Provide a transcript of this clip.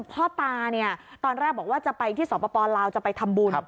พ่อตาเนี่ยตอนแรกบอกว่าจะไปที่สปลาวจะไปทำบุญ